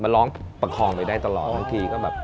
มันร้องประคองไปได้ตลอดบางทีก็แบบ